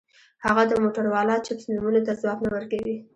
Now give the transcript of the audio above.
هغه د موټورولا چپس نومونو ته ځواب نه ورکوي